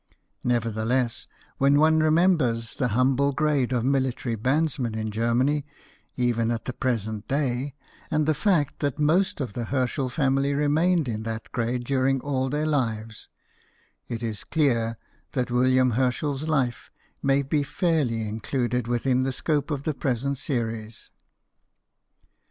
Nevertheless, when one remembers the humble grade of military bandsmen in Germany, even at the present day, and the fact that most of the Herschel family remained in that grade during all their lives, it is clear that William Herschel's life may be fairly included within the scope of the present series.